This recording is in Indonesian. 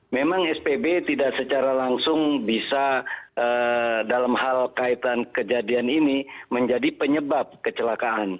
memang spb tidak secara langsung bisa dalam hal kaitan kejadian ini menjadi penyebab kecelakaan